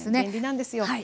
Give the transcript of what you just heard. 便利なんですよ。